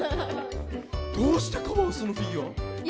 どうしてカワウソのフィギュア？